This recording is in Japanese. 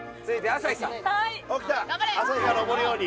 朝日が昇るように。